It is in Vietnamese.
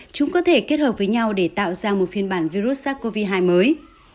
chúng có thể kết hợp với nhau để tạo ra một phiên bản virus sars cov hai mới